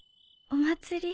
お祭り？